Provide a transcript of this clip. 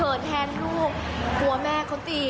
เขินแทนลูกขัวแม่เค้าตี